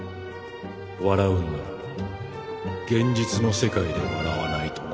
笑うんなら現実の世界で笑わないとな。